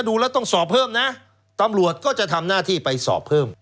ดูแล้วต้องสอบเพิ่มนะตำรวจก็จะทำหน้าที่ไปสอบเพิ่ม